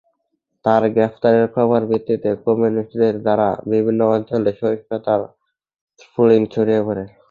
তার গ্রেফতারের খবরের ভিত্তিতে কমিউনিস্টদের দ্বারা বিভিন্ন অঞ্চলে সহিংসতার স্ফুলিঙ্গ ছড়িয়ে পড়ে।